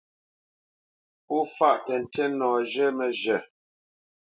Pó fâʼ tə́ ntí nɔ zhə́ məzhə̂.